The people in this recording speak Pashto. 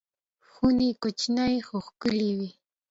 خونې کوچنۍ خو ښکلې وې.